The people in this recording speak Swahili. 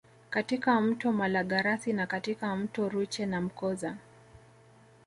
Katika mto Malagarasi na katika mto Rwiche na Mkoza